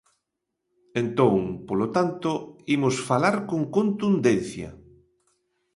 Entón, polo tanto, imos falar con contundencia.